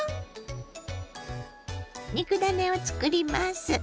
肉ダネをつくります。